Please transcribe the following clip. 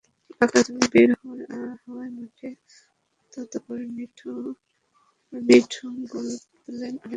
ফাঁকা জমি বের হওয়ায় মাঠে তৎপর মিঠুন গোল পেলেন অনেকটা সহজেই।